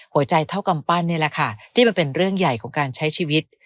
หัวใจเท่ากำปั้นนี่แหละค่ะที่มันเป็นเรื่องใหญ่ของการใช้ชีวิต